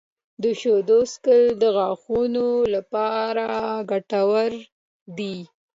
• د شیدو څښل د غاښونو لپاره ګټور دي.